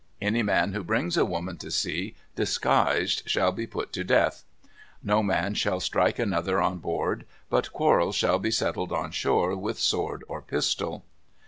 Any man who brings a woman to sea disguised shall be put to death. No man shall strike another on board, but quarrels shall be settled on shore with sword or pistol.